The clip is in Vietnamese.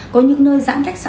có những nơi giãn cách xã hội